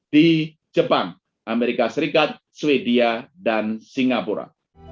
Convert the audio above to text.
di jepang amerika serikat sweden dan singapura